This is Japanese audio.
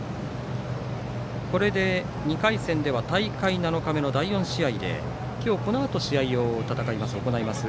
これで２回戦では大会７日目の第４試合で今日このあと試合を行います